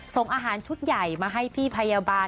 ส่งอาหารชุดใหญ่มาให้พี่พยาบาล